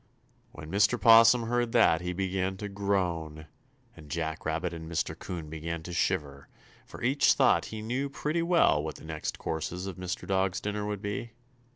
When Mr. 'Possum heard that he began to groan, and Jack Rabbit and Mr. 'Coon began to shiver, for each thought he knew pretty well what the next courses of Mr. Dog's dinner would be.